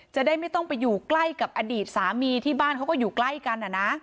จะได้ไม่ต้องไปอยู่ใกล้กับอดีตสามีที่บ้านเขาก็อยู่ใกล้กัน